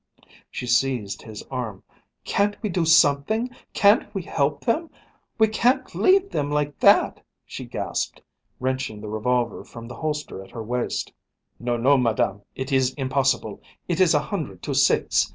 She seized his arm. "Can't we do something? Can't we help them? We can't leave them like that," she gasped, wrenching the revolver from the holster at her waist. "No, no, Madame, it is impossible. It is a hundred to six.